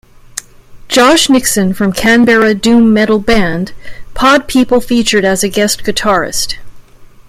Josh Nixon from Canberra doom metal band, Pod People featured as a guest guitarist.